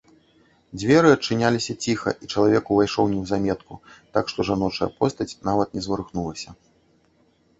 Дзверы адчыняліся ціха, і чалавек увайшоў неўзаметку, так што жаночая постаць нават не зварухнулася.